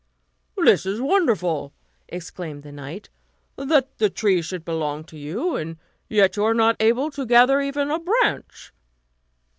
"This is wonderful," exclaimed the knight, "that the tree should belong to you, and yet you are not able to gather even a branch."